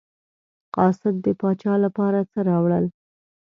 قاصد د پاچا لپاره څه راوړل.